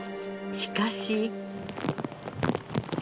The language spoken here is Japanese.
しかし。